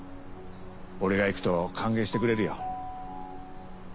俺が行くと歓迎してくれるよ。